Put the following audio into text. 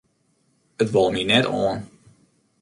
It wol my net oan.